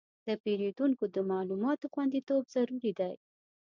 د پیرودونکو د معلوماتو خوندیتوب ضروري دی.